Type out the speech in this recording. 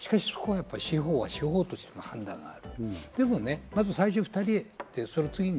しかし、そこは司法は司法としての判断がある。